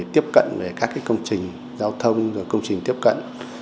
tiếp cận về các công trình giao thông công trình tiếp cận